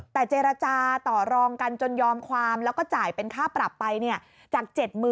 แต่เจรจาต่อรองกันจนยอมความแล้วก็จ่ายเป็นค่าปรับไปจาก๗๐๐๐